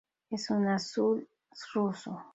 Es una azul ruso.